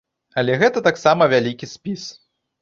Але гэта таксама вялікі спіс.